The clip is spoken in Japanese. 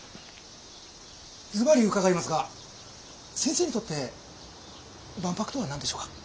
ずばり伺いますが先生にとって万博とは何でしょうか？